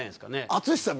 淳さん